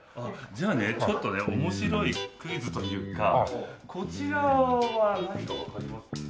じゃあねちょっとね面白いクイズというかこちらは何かわかります？